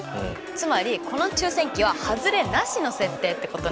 つまりこの抽選器は外れなしの設定ってことなんです。